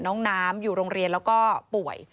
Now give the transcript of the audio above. น้องน้ำอยู่โรงเรียนแล้วก็ป่วย